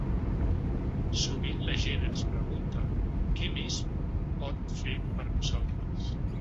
Sovint la gent ens pregunta què més pot fer per nosaltres.